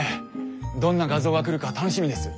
どんな画像が来るか楽しみです。